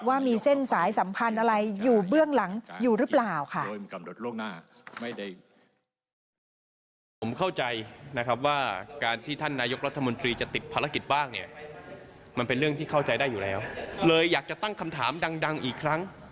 ว่ามีเส้นสายสัมพันธ์อะไรอยู่เบื้องหลังอยู่หรือเปล่าค่ะ